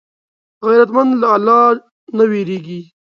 غیرتمند له الله نه وېرېږي